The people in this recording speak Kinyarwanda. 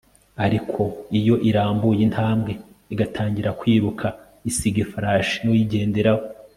ariko, iyo irambuye intambwe, igatangira kwiruka, isiga ifarasi n'uyigenderaho